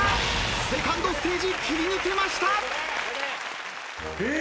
セカンドステージ切り抜けました。